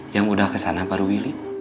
yang udah kesana baru willy